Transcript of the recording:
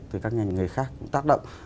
từ các ngành nghề khác cũng tác động